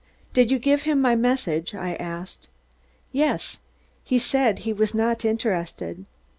"Did you give him my message?" I asked. "Yes. He said he was not interested."